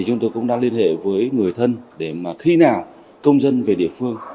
chúng tôi cũng đang liên hệ với người thân để khi nào công dân về địa phương